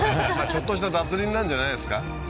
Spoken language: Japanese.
ちょっとした脱輪なんじゃないですか？